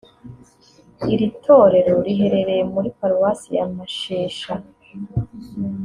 Iri torero riherereye muri Paruwasi ya Mashesha